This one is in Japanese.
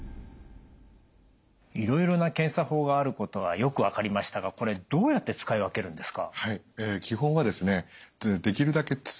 いろいろな検査法があることはよく分かりましたがこれどうやって使い分けるんですか？